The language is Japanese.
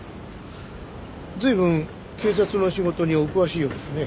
随分警察の仕事にお詳しいようですね。